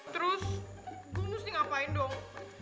terus gue harus ngapain dong